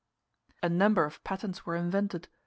A number of patents were invented.